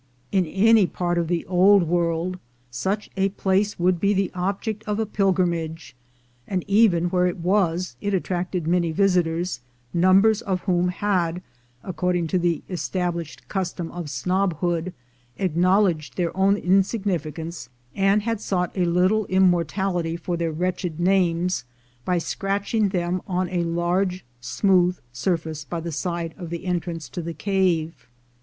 In any part of the Old World such a place would be the object of a pilgrimage; and even where it was, it attracted many visitors, numbers of whom had, according to the established custom of snobhood, acknowledged their own insignificance, and had sought a little immortality for their wretched names by scratching them on a large smooth surface by the side of the entrance to the cave.